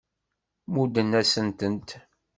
Muddent-asen-tent.